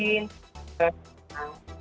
tidak lama setelah itu